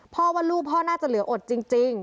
ว่าลูกพ่อน่าจะเหลืออดจริง